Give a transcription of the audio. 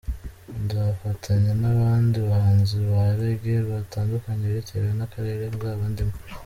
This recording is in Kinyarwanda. Nzafatanya n’abandi bahanzi ba Reggae batandukanye, bitewe n’akarere nzaba ndimo.